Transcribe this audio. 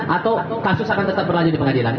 atau kasus akan tetap berlanjut di pengadilan